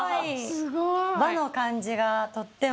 すごい！和の感じがとっても。